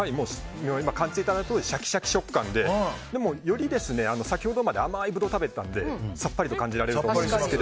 今、感じていただいたとおりシャキシャキ食感で先ほどまで甘いブドウを食べてたのでさっぱりと感じられると思います。